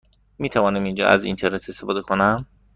می توانم اینجا از اینترنت استفاده کنم؟